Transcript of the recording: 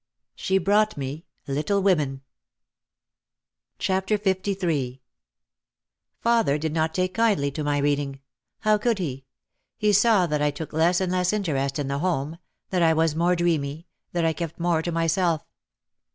She brought me "Little Women." 254 OUT OF THE SHADOW LIII Father did not take kindly to my reading. How could he! He saw that I took less and less interest in the home, that I was more dreamy, that I kept more to myself.